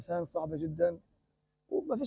saya menjaga mereka